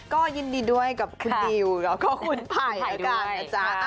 ก็ยินดีด้วยกับคุณดิวขอขอบคุณไผ่กัน